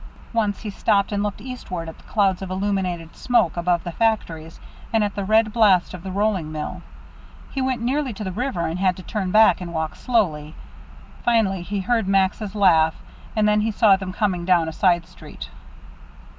Once he stopped and looked eastward at the clouds of illuminated smoke above the factories and at the red blast of the rolling mill. He went nearly to the river and had to turn back and walk slowly. Finally he heard Max's laugh, and then he saw them coming down a side street.